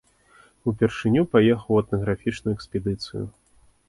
Упершыню паехаў у этнаграфічную экспедыцыю.